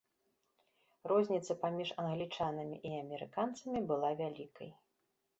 Розніца паміж англічанамі і амерыканцамі была вялікай.